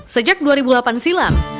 sejak dua ribu delapan silam